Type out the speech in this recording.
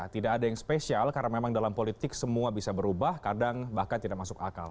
tidak ada yang spesial karena memang dalam politik semua bisa berubah kadang bahkan tidak masuk akal